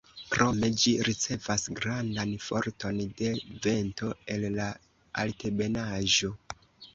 Krome ĝi ricevas grandan forton de vento el la Altebenaĵo.